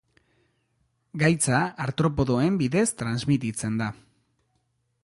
Gaitza artropodoen bidez transmititzen da.